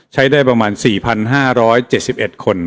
ใช้ได้ประมาณ๔๕๗๑คน